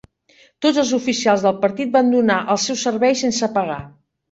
Tots els oficials del partit van donar els seus serveis sense pagar.